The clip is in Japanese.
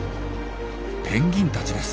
ペンギンたちです。